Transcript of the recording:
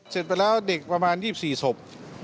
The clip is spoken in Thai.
เสร็จไปแล้วเด็กประมาณ๒๔ศพ